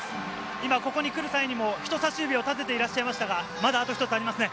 今ここに来る際にも人さし指を立てていましたが、まだ１つありますね。